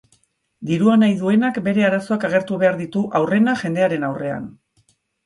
Dirua nahi duenak bere arazoak agertu behar ditu aurrena jendearen aurrean.